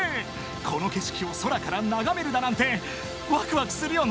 ［この景色を空から眺めるだなんてわくわくするよな成田］